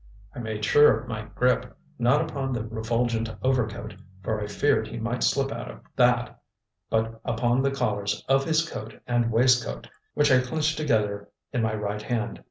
I made sure of my grip, not upon the refulgent overcoat, for I feared he might slip out of that, but upon the collars of his coat and waistcoat, which I clenched together in my right hand.